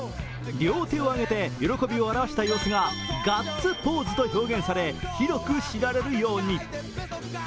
両手を上げて喜びを表した様子がガッツポーズと表現され広く知られるように。